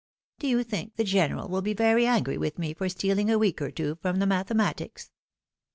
Do you think the general will be very angry with me for stealing a week or two from the mathematics